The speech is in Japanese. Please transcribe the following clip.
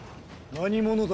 何者だ！？